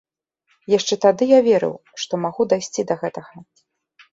Яшчэ тады я верыў, што магу дайсці да гэтага.